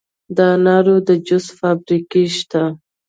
د انارو د جوس فابریکې شته.